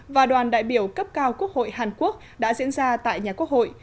và đoàn đại biểu cấp cao quốc hội hàn quốc đã diễn ra tại nhà quốc hội